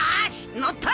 乗った！